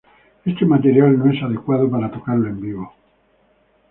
Este material no es adecuado para tocarlo en vivo.